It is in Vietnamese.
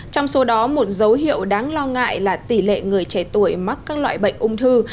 trong số đó một dấu hiệu đáng lo ngại là tỷ lệ người trẻ tuổi mắc các loại bệnh ung thư